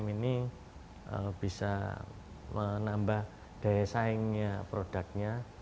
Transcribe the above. umkm ini bisa menambah daya saingnya produknya